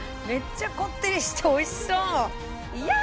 めっちゃこってりして美味しそう！